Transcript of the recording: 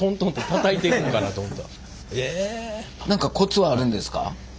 何かコツはあるんですか？